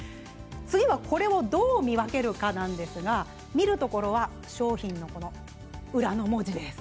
これをどう見分けるかなんですが見るところは商品の裏の文字です。